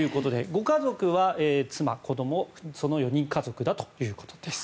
ご家族は妻、子どもの４人家族だということです。